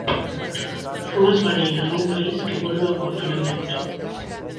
Rúas baleiras nun país que volve ao confinamento.